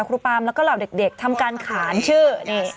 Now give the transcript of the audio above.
ครูปามแล้วก็เหล่าเด็กทำการขานชื่อนี่